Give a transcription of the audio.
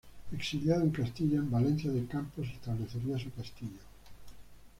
Exiliado en Castilla, en Valencia de Campos establecería su castillo.